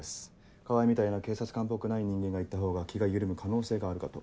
川合みたいな警察官っぽくない人間が行ったほうが気が緩む可能性があるかと。